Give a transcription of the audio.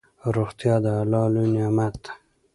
روغتيا دالله لوي نعمت ده